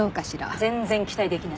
全然期待できない。